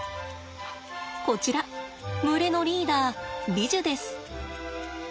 こちら群れのリーダービジュです。